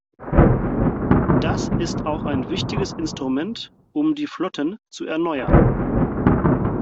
Das ist auch ein wichtiges Instrument, um die Flotten zu erneuern.